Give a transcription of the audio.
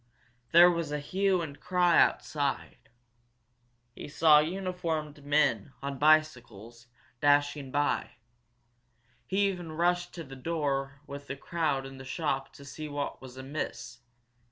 There was a hue and cry outside. He saw uniformed men, on bicycles, dashing by. He even rushed to the door with the crowd in the shop to see what was amiss!